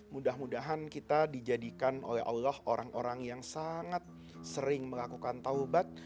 mudah mudahan kita dijadikan oleh allah orang orang yang sangat sering melakukan taubat